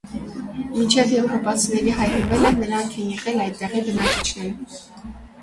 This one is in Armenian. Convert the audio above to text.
Մինչև եվրոպացիների հայտնվելը նրանք են եղել այդտեղի բնակիչները։